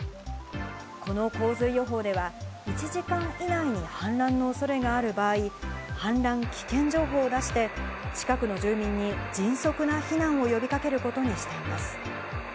この洪水予報では、１時間以内に氾濫のおそれがある場合、氾濫危険情報を出して、近くの住民に迅速な避難を呼びかけることにしています。